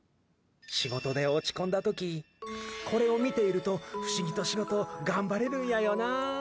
仕事で落ち込んだ時これを見ていると不思議と仕事頑張れるんやよな。